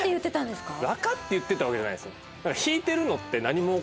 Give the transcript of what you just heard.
わかって言ってたわけじゃないですよ。